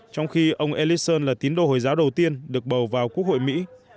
trong khi ông elisan là tín đồ hồi giáo đầu tiên được bầu vào quốc hội mỹ